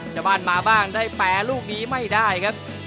เจ้าบ้านมาบ้างได้แปลลูกวิไม่ได้ครับ